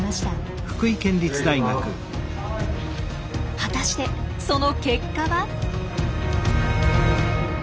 果たしてその結果は？